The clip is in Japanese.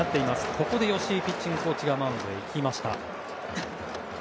ここで吉井ピッチングコーチがマウンドに行きました。